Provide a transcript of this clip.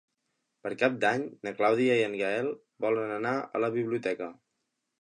Per Cap d'Any na Clàudia i en Gaël volen anar a la biblioteca.